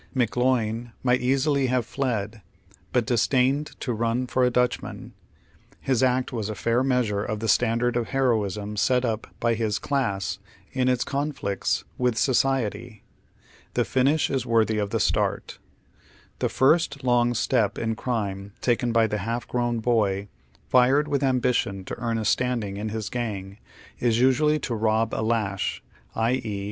McGloin might easily have fled, but disdained to "run for a Dutchman." His act was a fair measure of the standard of heroism set up by his class in its conflicts with society. The finish is worthy of the stirt. The fii'st long step in crime taken by the half gi own boy, fired with ambition to earn a standing in his gang, is nsualiy to rob a " lush," i.e.